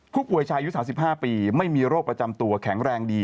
ผู้ป่วยชายุ๓๕ปีไม่มีโรคประจำตัวแข็งแรงดี